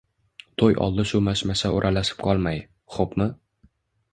To`y oldi shu mashmasha o`ralashib qolmay, xo`pmi